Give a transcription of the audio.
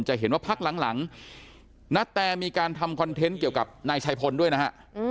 จะเห็นว่าพักหลังนาแตมีการทำคอนเทนต์เกี่ยวกับนายชัยพลด้วยนะฮะ